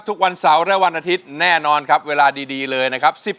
ทุกวันเสาร์และวันอาทิตย์แน่นอนครับเวลาดีเลยนะครับ